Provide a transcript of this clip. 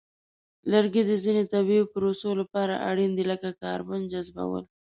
لرګي د ځینو طبیعی پروسو لپاره اړین دي، لکه کاربن جذبول.